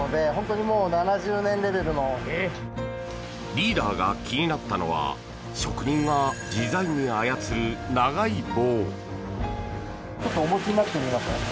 リーダーが気になったのは職人が自在に操る長い棒。